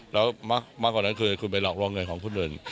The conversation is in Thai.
แล้วมากกว่านั้นคือคุณไปหลอกลวงเงินของคนอื่น